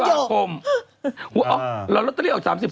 หรอเราต้องเรียกว่า๓๐ทันวาทมหรอ